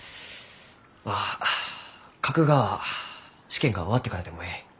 まあ書くがは試験が終わってからでもえい。